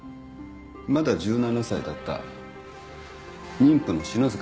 まだ１７歳だった妊婦の篠塚弥生さん。